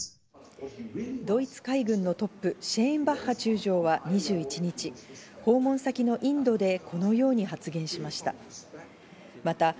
ドイツ海軍のトップ、シェーン・バッハ中将は２１日、訪問先のインドでこのように発言しました。